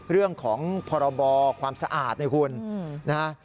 เรื่องของพรบความสะอาดในหุ้นนะฮะ